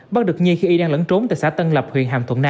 bắt được nhi khi y đang lẫn trốn tại xã tân lập huyện hàm thuận nam